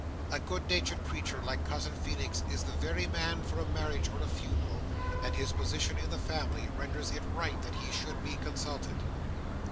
A good natured creature like Cousin Feenix is the very man for a marriage or a funeral, and his position in the family renders it right that he should be consulted.